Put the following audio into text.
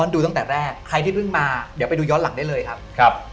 เดี๋ยวไปดูย้อนหลังได้เลยครับ